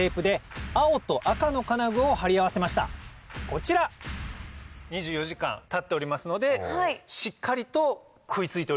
こちら２４時間たっておりますのでしっかりと食い付いております。